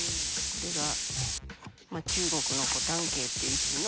これが、中国の古端渓っていう石の。